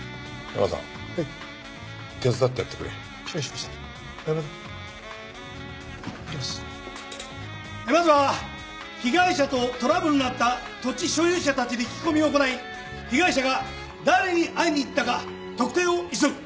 まずは被害者とトラブルのあった土地所有者たちに聞き込みを行い被害者が誰に会いに行ったか特定を急ぐ。